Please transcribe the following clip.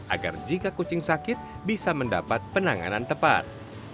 agar jika kucing sakit bisa mendapat penanganan tepat